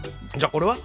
これは？